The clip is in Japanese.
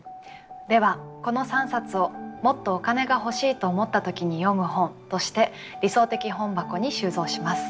ではこの３冊を「もっとお金が欲しいと思った時に読む本」として理想的本箱に収蔵します。